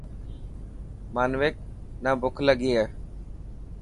مانوڪ نا بک لڳي هي.